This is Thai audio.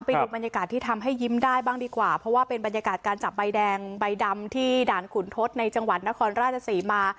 ไปดูบรรยากาศที่ทำให้ยิ้มได้บ้างดีกว่าเพราะว่าเป็นบรรยากาศการจับใบแดงใบดำที่ด่านขุนทศในจังหวัดนครราชศรีมา